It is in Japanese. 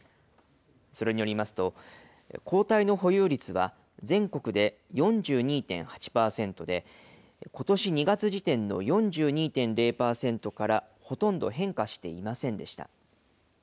それによりますと、抗体の保有率は全国で４２．８％で、ことし２月時点の４２．０％からほとんど変化していませんでした。